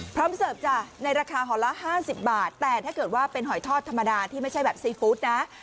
เสิร์ฟจ้ะในราคาหอยละ๕๐บาทแต่ถ้าเกิดว่าเป็นหอยทอดธรรมดาที่ไม่ใช่แบบซีฟู้ดนะ